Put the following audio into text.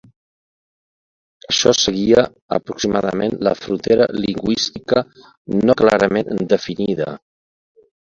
Això seguia aproximadament la frontera lingüística no clarament definida.